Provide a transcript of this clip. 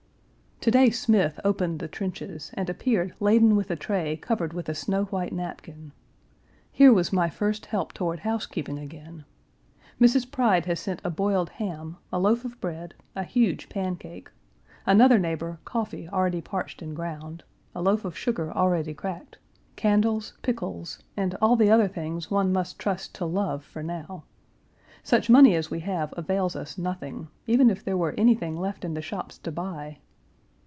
To day Smith opened the trenches and appeared laden Page 370 with a tray covered with a snow white napkin. Here was my first help toward housekeeping again. Mrs. Pride has sent a boiled ham, a loaf of bread, a huge pancake; another neighbor coffee already parched and ground; a loaf of sugar already cracked; candles, pickles, and all the other things one must trust to love for now. Such money as we have avails us nothing, even if there were anything left in the shops to buy.